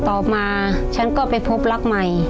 ต่อมาฉันก็ไปพบรักใหม่